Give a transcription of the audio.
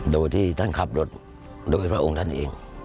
โดยที่ท่านขับรถโดยพระองค์ท่านเอง